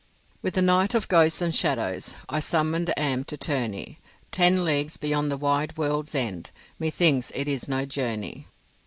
With a knight of ghosts and shadows I summoned am to tourney— Ten leagues beyond the wide world's end, Methinks it is no journey.